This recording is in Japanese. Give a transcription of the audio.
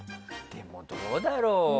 でも、どうだろう。